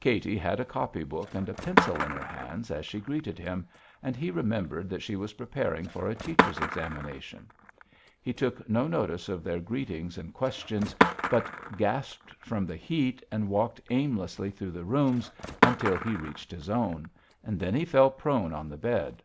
Katy had a copy book and a pencil in her hands as she greeted him, and he remembered that she was preparing for a teacher's examination. He took no notice of their greetings and questions, but gasped from the heat, and walked aimlessly through the rooms until he reached his own, and then he fell prone on the bed.